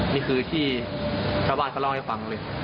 นี่คือที่ชาวบ้านเขาเล่าให้ฟังเลย